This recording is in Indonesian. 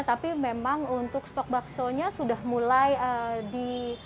tapi memang untuk stok baksonya sudah mulai di